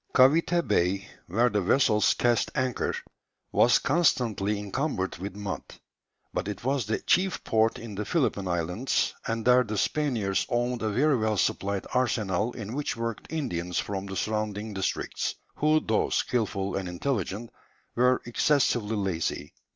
Cavité Bay, where the vessels cast anchor, was constantly encumbered with mud, but it was the chief port in the Philippine Islands, and there the Spaniards owned a very well supplied arsenal in which worked Indians from the surrounding districts, who though skilful and intelligent were excessively lazy.